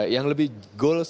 yang lebih goals yang diperoleh